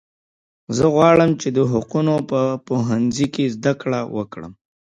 زه غواړم چې د حقوقو په پوهنځي کې زده کړه وکړم